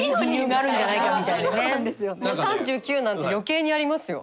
もう３９なんて余計にありますよ。